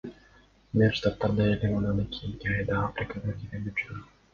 Мен Штаттарда элем, анан кийинки айда Африкага кетем деп жүргөм.